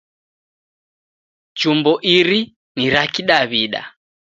Chumbo iri ni ra Kidaw'ida.